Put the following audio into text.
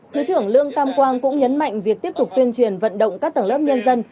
thứ trưởng lương tam quang cũng nhấn mạnh việc tiếp tục tuyên truyền vận động các tầng lớp nhân dân